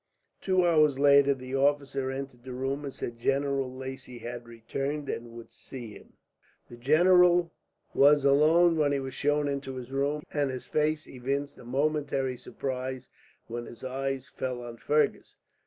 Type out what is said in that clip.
Two hours later the officer entered the room, and said that General Lacy had returned, and would see him. The general was alone when he was shown into his room, and his face evinced a momentary surprise when his eyes fell on Fergus.